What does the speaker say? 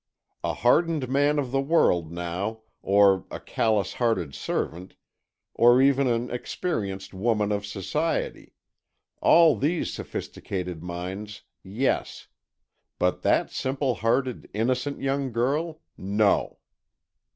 A hardened man of the world, now; or a callous hearted servant; or even an experienced woman of society; all these sophisticated minds, yes. But that simple hearted, innocent young girl—no!"